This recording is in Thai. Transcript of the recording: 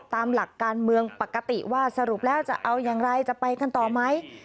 ตามหลักการเมืองปกติว่าสรุปแล้วจะเอาอย่างไรจะไปกันต่อไหม